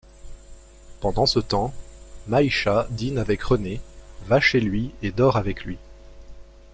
Pendant ce temps, Maisha dîne avec René, va chez lui et dort avec lui.